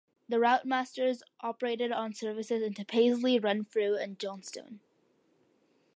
The Routemasters operated on services into Paisley, Renfrew and Johnstone.